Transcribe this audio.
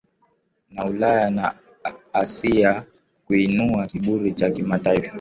na Ulaya na Asia Kuinua kiburi cha kitaifa